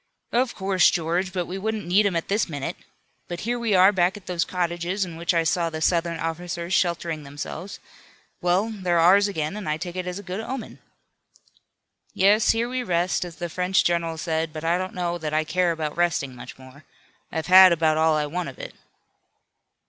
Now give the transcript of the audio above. "Of course, George, but we wouldn't need him at this minute. But here we are back at those cottages in which I saw the Southern officers sheltering themselves. Well, they're ours again and I take it as a good omen." "Yes, here we rest, as the French general said, but I don't know that I care about resting much more. I've had about all I want of it."